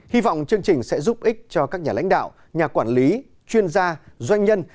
hy vọng chương trình sẽ giúp ích cho các nhà lãnh đạo nhà quản lý chuyên gia doanh nhân